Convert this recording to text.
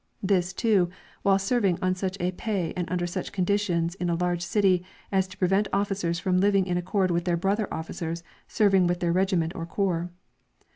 This, too, while serving on such a pay and under such conditions in a large cit}' as to prevent officers from living in accord with their brother officers serving with their regiment or corps.